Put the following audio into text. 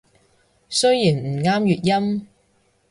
雖然唔啱粵音